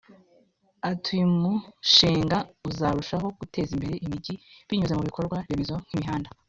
Ati ”Uyu mushinga uzarushaho guteza imbere imijyi binyuze mu bikorwa remezo nk’imihanda